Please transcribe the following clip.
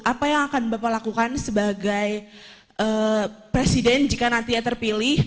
apa yang akan bapak lakukan sebagai presiden jika nantinya terpilih